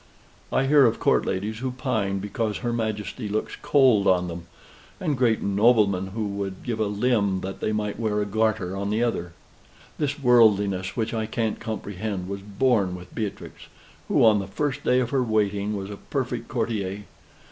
I hear of Court ladies who pine because her Majesty looks cold on them; and great noblemen who would give a limb that they might wear a garter on the other. This worldliness, which I can't comprehend, was born with Beatrix, who, on the first day of her waiting, was a perfect courtier.